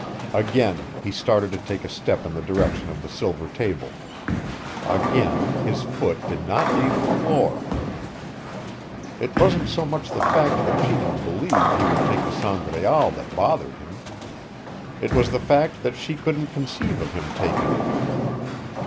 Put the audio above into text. Again, he started to take a step in the direction of the silver table. Again, his foot did not leave the floor. It wasn't so much the fact that she didn't believe he would take the Sangraal that bothered him: it was the fact that she couldn't conceive of him taking it.